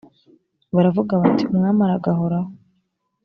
baravuga bati umwami aragahoraho